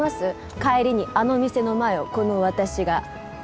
帰りにあの店の前をこの私が。